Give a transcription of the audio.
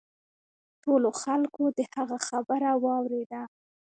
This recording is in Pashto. ټولو خلکو د هغه خبره واوریده.